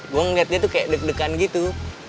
gue liat dia tuh kayak deg degan gitu